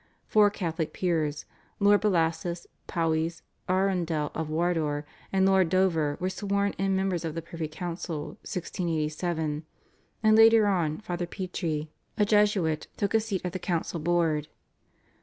Four Catholic peers, Lord Bellasis, Powys, Arundell of Wardour and Lord Dover, were sworn in members of the privy council (1687), and later on Father Petre, a Jesuit, took a seat at the council board.